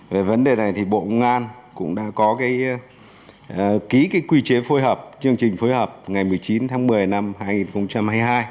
về vấn đề này thì bộ công an cũng đã có ký cái quy chế phối hợp chương trình phối hợp ngày một mươi chín tháng một mươi năm hai nghìn hai mươi hai